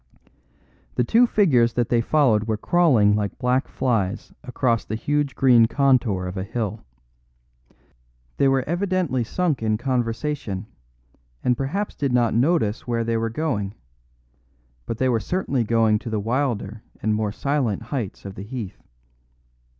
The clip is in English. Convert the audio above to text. The two figures that they followed were crawling like black flies across the huge green contour of a hill. They were evidently sunk in conversation, and perhaps did not notice where they were going; but they were certainly going to the wilder and more silent heights of the Heath.